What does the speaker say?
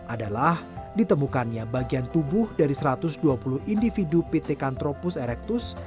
adalah ditemukannya bagian tubuh dari satu ratus dua puluh individu p t cantropus erectus